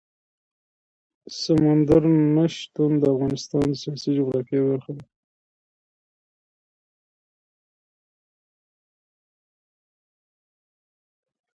سمندر نه شتون د افغانستان د سیاسي جغرافیه برخه ده.